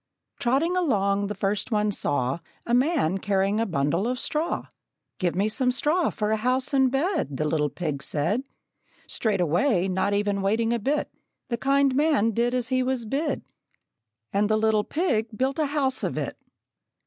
Trotting along, the first one saw A man who carried a bundle of straw. "Give me some straw for a house and bed," The little pig said. Straightway, not even waiting a bit, The kind man did as he was bid; And the little pig built a house of it.